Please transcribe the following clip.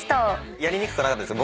やりにくくなかったですか？